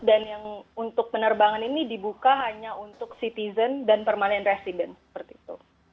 dan yang untuk penerbangan ini dibuka hanya untuk citizen dan permanent resident